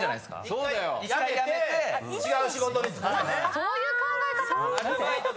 そういう考え方